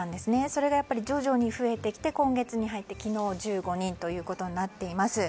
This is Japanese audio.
それが徐々に増えてきて今月に入って昨日、１５人ということになっています。